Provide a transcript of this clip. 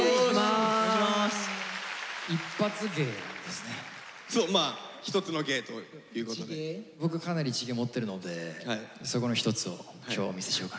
僕かなり一芸持ってるのでそこの一つを今日お見せしようかなと。